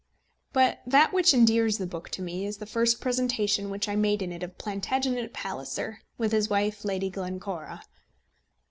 But that which endears the book to me is the first presentation which I made in it of Plantagenet Palliser, with his wife, Lady Glencora.